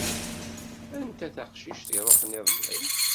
Anta taqcict iṛuḥen iḍelli?